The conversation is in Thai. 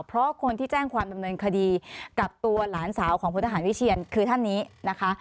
เพราะคนที่แจ้งความดำเนินคดีกับตัวหลานสาวของพลทหารวิเชียนคือท่านนี้นะคะ